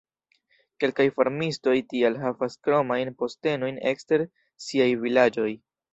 Kelkaj farmistoj tial havas kromajn postenojn ekster siaj vilaĝoj.